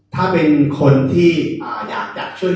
ถ้าเป็นคนที่อยากช่วยคนถึง